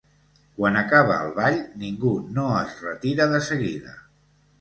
Quan acaba el ball ningú no es retira de seguida.